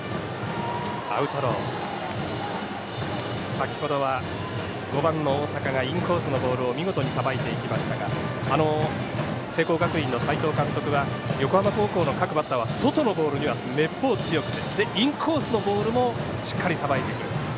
先ほどは５番の大坂がインコースのボールを見事にさばいていきましたが聖光学院の斎藤監督は横浜高校の各バッターは外のボールにはめっぽう強くてインコースのボールもしっかりさばいてくる。